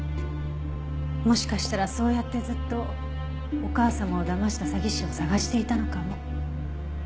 もしかしたらそうやってずっとお母様をだました詐欺師を捜していたのかも。